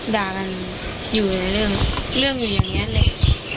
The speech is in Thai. ด่ากันอยู่ในเรื่องอย่างนี้เลย